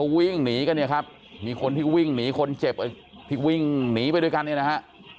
วิ่งหนีกันเนี่ยครับมีคนที่วิ่งหนีคนเจ็บที่วิ่งหนีไปด้วยกันเนี่ยนะฮะ